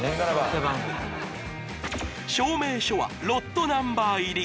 背番号証明書はロットナンバー入り